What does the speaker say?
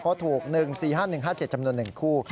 เพราะถูก๑๔๕๑๕๗จำนวน๑คู่